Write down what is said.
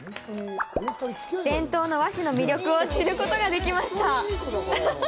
伝統の和紙の魅力を知ることができました